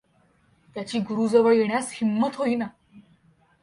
त्याची गुरूजवळ येण्यास हिंमत होईना.